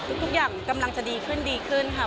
ทุกอย่างกำลังจะดีขึ้นดีขึ้นค่ะ